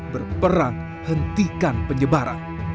berperang hentikan penyebaran